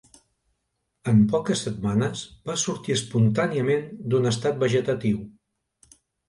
En poques setmanes va sortir espontàniament d'un estat vegetatiu.